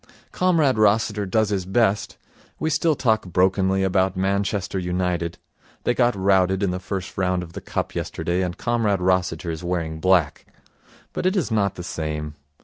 Comrade Rossiter does his best. We still talk brokenly about Manchester United they got routed in the first round of the Cup yesterday and Comrade Rossiter is wearing black but it is not the same.